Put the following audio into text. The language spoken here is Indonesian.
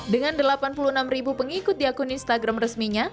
dengan delapan puluh enam ribu pengikut di akun instagram resminya